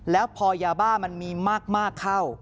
แล้วพอยาบ้ามันมีมากเข้า